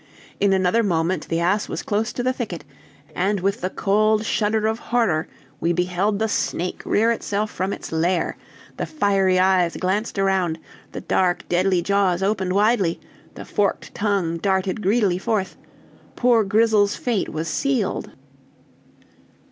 In another moment the ass was close to the thicket, and with the cold shudder of horror, we beheld the snake rear itself from its lair, the fiery eyes glanced around, the dark, deadly jaws opened widely, the forked tongue darted greedily forth poor Grizzle's fate was sealed.